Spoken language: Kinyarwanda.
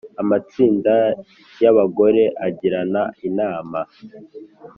Amatsinda y ‘abagore agirana inama.